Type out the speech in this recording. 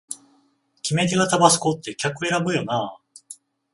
決め手がタバスコって客選ぶよなあ